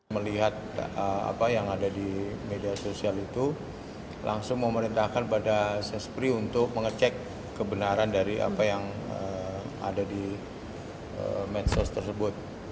melihat apa yang ada di media sosial itu langsung memerintahkan pada sespri untuk mengecek kebenaran dari apa yang ada di medsos tersebut